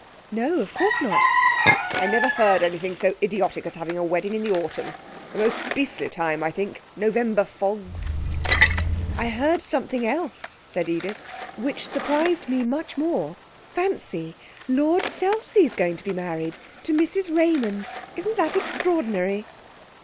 'No, of course not.' 'I never heard anything so idiotic as having a wedding in the autumn. A most beastly time, I think November fogs.' 'I heard something else,' said Edith, 'which surprised me much more. Fancy, Lord Selsey's going to be married to Mrs Raymond. Isn't that extraordinary?'